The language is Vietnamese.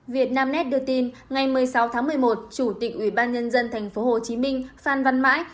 việt nam net đưa tin ngày một mươi sáu tháng một mươi một chủ tịch ubnd tp hcm phan văn mãi